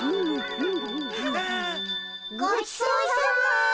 ごちそうさま。